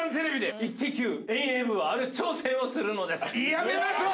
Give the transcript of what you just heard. やめましょう！